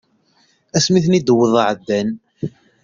Ass mi ten-id-wweḍ ɛeddan.